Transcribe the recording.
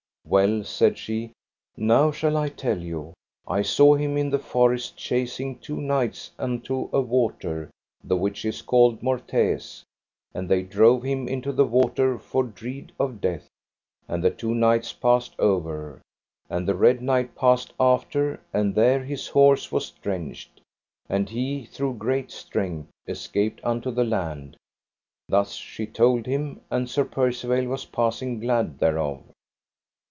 Well, said she, now shall I tell you. I saw him in the forest chasing two knights unto a water, the which is called Mortaise; and they drove him into the water for dread of death, and the two knights passed over, and the Red Knight passed after, and there his horse was drenched, and he, through great strength, escaped unto the land: thus she told him, and Sir Percivale was passing glad thereof.